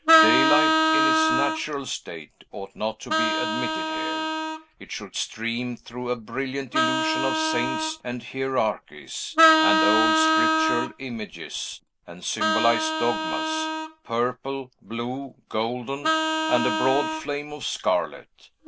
Daylight, in its natural state, ought not to be admitted here. It should stream through a brilliant illusion of saints and hierarchies, and old scriptural images, and symbolized dogmas, purple, blue, golden, and a broad flame of scarlet.